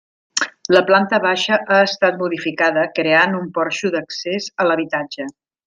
La planta baixa ha estat modificada creant un porxo d'accés a l'habitatge.